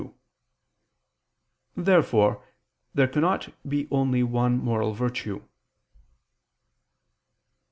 Therefore there cannot be only one moral virtue.